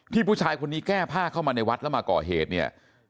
ผู้ชายคนนี้แก้ผ้าเข้ามาในวัดแล้วมาก่อเหตุเนี่ย